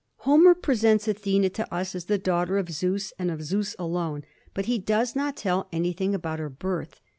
Homer presents Athena to us as the daughter of Zeus, and of Zeus alone, but he does not tell anything about her birth.